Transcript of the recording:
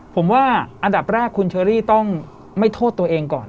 ผมว่าอันดับแรกคุณเชอรี่ต้องไม่โทษตัวเองก่อน